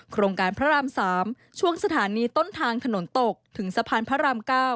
โครงการพระราม๓ช่วงสถานีต้นทางถนนตกถึงสะพานพระราม๙